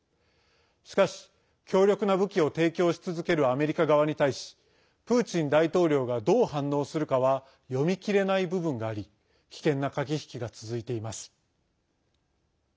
しかし、強力な武器を提供し続けるアメリカ側に対しプーチン大統領がどう反応するかは読みきれない部分があり危険な駆け引きが続いています。